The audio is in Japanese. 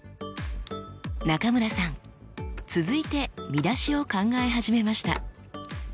中村さん続いて見出しを考え始めました。